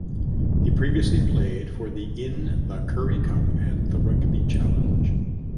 He previously played for the in the Currie Cup and the Rugby Challenge.